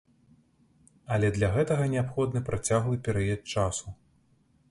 Але для гэтага неабходны працяглы перыяд часу.